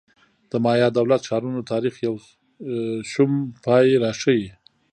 د مایا دولت ښارونو تاریخ یو شوم پای راښيي